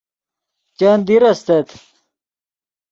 چند دیر استت